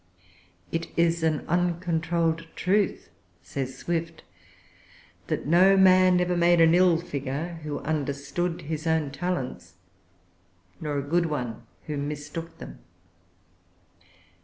"It is an uncontrolled truth," says Swift, "that no man ever made an ill figure who understood his own talents, nor a good one who mistook them."